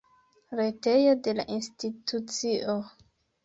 Retejo de la institucio.